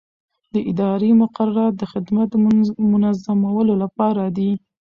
اداري مقررات د خدمت د منظمولو لپاره دي.